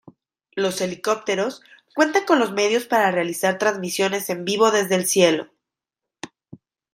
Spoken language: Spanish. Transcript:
Los helicópteros cuentan con los medios para realizar transmisiones en vivo desde el cielo.